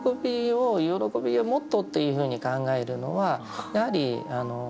喜びをもっとっていうふうに考えるのはやはりあの。